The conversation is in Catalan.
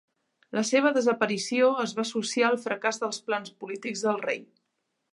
La seva desaparició es va associar al fracàs dels plans polítics del rei.